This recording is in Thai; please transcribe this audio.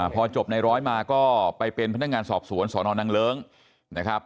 พอจบในร้อยมาก็ไปเป็นพนักงานสอบสวนสอนอนังเลิ้งนะครับ